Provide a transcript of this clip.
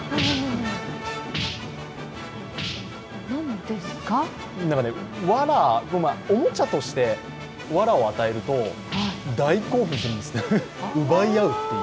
なんか、わら、おもちゃとしてわらを与えると大興奮するんですって、奪い合うという。